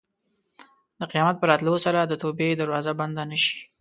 د قیامت په راتلو سره د توبې دروازه بنده نه شي.